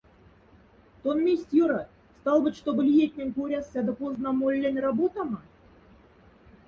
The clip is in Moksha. Тон месть, ёрат, сталботь, штоба лиятнень коряс сяда поздна молелень работама?